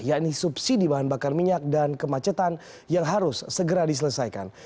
yakni subsidi bahan bakar minyak dan kemacetan yang harus segera diselesaikan